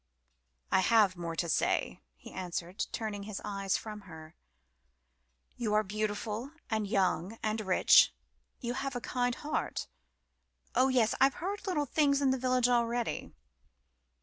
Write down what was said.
"I have more to say," he answered, turning his eyes from hers. "You are beautiful and young and rich you have a kind heart oh, yes I've heard little things in the village already.